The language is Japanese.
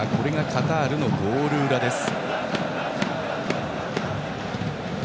カタールのゴール裏です。